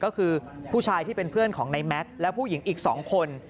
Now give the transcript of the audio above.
ก็คือผู้ชายที่เป็นเพื่อนของในแม็กซ์และผู้หญิงอีก๒คน